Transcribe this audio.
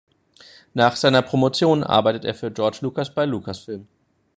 Nach seiner Promotion arbeitet er für George Lucas bei Lucasfilm.